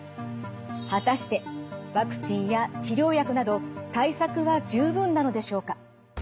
果たしてワクチンや治療薬など対策は十分なのでしょうか？